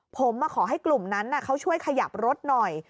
ผมมาขอให้กลุ่มนั้นเขาช่วยขยับรถหน่อย